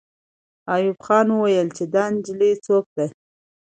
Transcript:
ایوب خان وویل چې دا نجلۍ څوک ده.